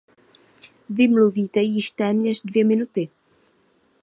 Vy mluvíte již téměř dvě minuty.